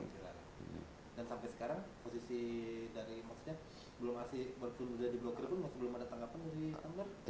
dan sampai sekarang posisi dari masnya belum masih berfungsi di blokir pun masih belum ada tanggapan dari tumblr